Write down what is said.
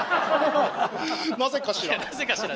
なぜかしら？